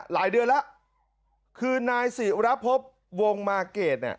หลายเดือนแล้วคือนายศิรพบวงมาเกรดเนี่ย